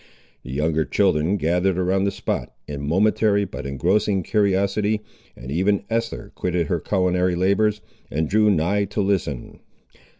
The younger children gathered around the spot, in momentary but engrossing curiosity, and even Esther quitted her culinary labours, and drew nigh to listen.